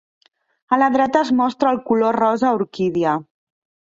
A la dreta es mostra el color rosa orquídia.